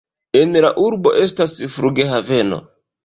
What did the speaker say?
En la urbo estas flughaveno.